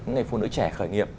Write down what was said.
những người phụ nữ trẻ khởi nghiệp